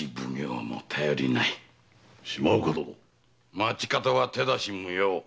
町方は手出し無用。